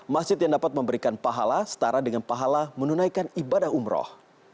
masjid yang dapat memberikan pahala setara dengan pahala menunaikan ibadah umroh